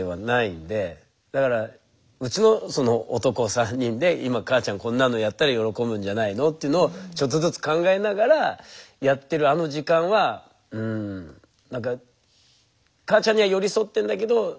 だからうちのその男３人で今母ちゃんこんなのやったら喜ぶんじゃないのというのをちょっとずつ考えながらやってるあの時間はうん何か母ちゃんには寄り添ってんだけど